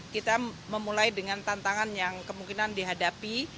kita memulai dengan tantangan yang kemungkinan dihadapi